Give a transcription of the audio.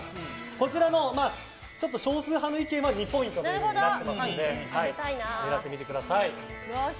こちらの少数派の意見は２ポイントとなっておりますので狙ってみてください。